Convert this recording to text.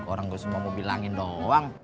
orang gue semua mau bilangin doang